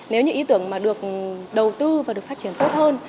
nếu như ý tưởng mà được đầu tư và được phát triển tốt hơn